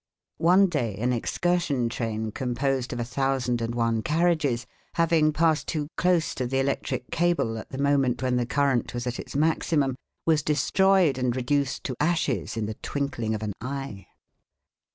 One day an excursion train, composed of a thousand and one carriages, having passed too close to the electric cable at the moment when the current was at its maximum, was destroyed and reduced to ashes in the twinkling of an eye.